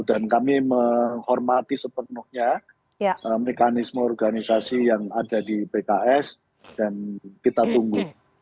dan kami menghormati sepenuhnya mekanisme organisasi yang ada di pks dan kita tunggu